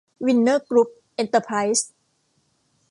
วินเนอร์กรุ๊ป เอ็นเตอร์ไพรซ์